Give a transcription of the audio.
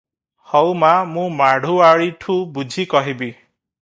ହଉ ମା, ମୁଁ ମାଢ଼ୁ ଆଳିଠୁ ବୁଝି କହିବି ।"